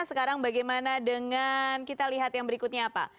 sekarang bagaimana dengan kita lihat yang berikutnya apa